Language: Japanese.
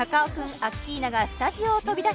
アッキーナがスタジオを飛び出し